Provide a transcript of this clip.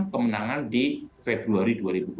kemenangan di februari